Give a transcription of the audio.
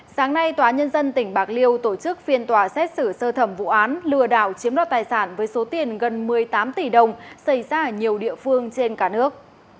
sáng nay tòa nhân dân tỉnh bạc liêu tổ chức phiên tòa xét xử sơ thẩm vụ án lừa đảo chiếm đoạt tài sản với số tiền gần một mươi tám tỷ đồng xảy ra ở nhiều địa phương trên cả nước